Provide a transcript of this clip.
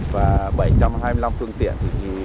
và bảy trăm hai mươi năm phương tiện